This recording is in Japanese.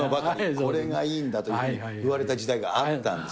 これがいいんだというふうに言われた時代があったんです。